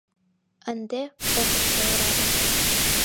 Ынде ок ыште орадым